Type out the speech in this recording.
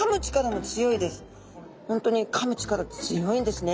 ホントにかむ力強いんですね。